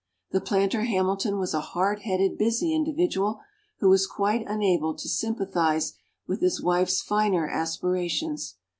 The planter Hamilton was a hard headed, busy individual, who was quite unable to sympathize with his wife's finer aspirations.